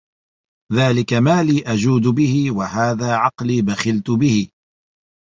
ذَلِكَ مَالِي أَجْوَدُ بِهِ وَهَذَا عَقْلِي بَخِلْت بِهِ